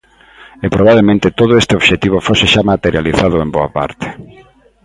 E probablemente todo este obxectivo fose xa materializado en boa parte.